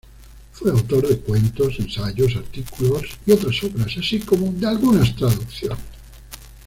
Fue autor de cuentos, ensayos, artículos y otras obras, así como de algunas traducciones.